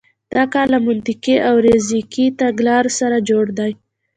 دا کار له منطقي او ریاضیکي تګلارو سره جوړ دی.